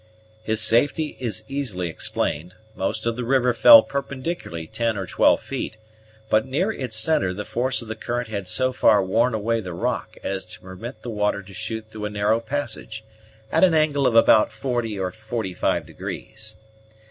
His safety is easily explained. Most of the river fell perpendicularly ten or twelve feet; but near its centre the force of the current had so far worn away the rock as to permit the water to shoot through a narrow passage, at an angle of about forty or forty five degrees.